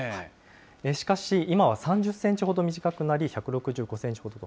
しかし今は３０センチほど短くなり、１６５センチほどと。